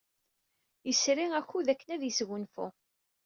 Yesri akud akken ad yesgunfu.